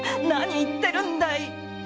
何を言ってるんだい